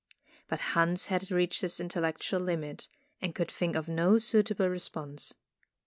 But Hans had reached his intellectual limit, and could think of no suitable re sponse.